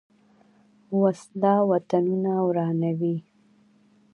وسله وطنونه ورانوي